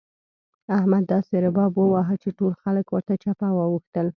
احمد داسې رباب وواهه چې ټول خلګ ورته چپه واوښتل.